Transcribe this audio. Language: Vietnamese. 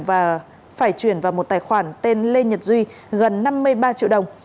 và phải chuyển vào một tài khoản tên lê nhật duy gần năm mươi ba triệu đồng